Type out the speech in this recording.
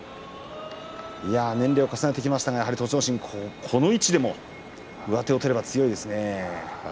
年齢を重ねてきましたが栃ノ心この位置でも上手を取れば強いですね。